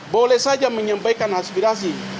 boleh saja menyampaikan aspirasi